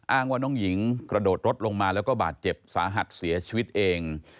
อ้างว่าน้องหญิงกระโดดรถลงมาแล้วก็บาดเจ็บสาหัสเสียชีวิตเอง